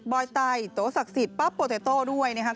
บอยไต้โต๊ะศักดิ์สิทธิ์ป๊าโปเตโต้ด้วยนะคะ